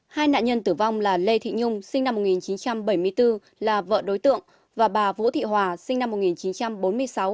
hai nạn nhân tử vong là lê thị nhung sinh năm một nghìn chín trăm bảy mươi bốn là vợ đối tượng và bà vũ thị hòa sinh năm một nghìn chín trăm bốn mươi sáu